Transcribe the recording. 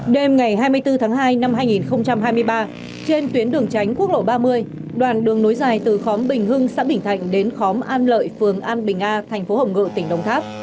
đêm ngày hai mươi bốn tháng hai năm hai nghìn hai mươi ba trên tuyến đường tránh quốc lộ ba mươi đoạn đường nối dài từ khóm bình hưng xã bình thạnh đến khóm an lợi phường an bình a thành phố hồng ngự tỉnh đồng tháp